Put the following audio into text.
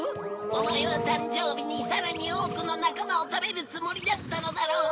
オマエは誕生日にさらに多くの仲間を食べるつもりだったのだろう。